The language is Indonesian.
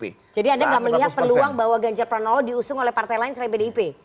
jadi anda gak melihat peluang bahwa ganjar pranowo diusung oleh partai lain selain pdip